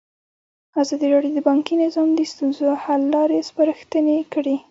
ازادي راډیو د بانکي نظام د ستونزو حل لارې سپارښتنې کړي.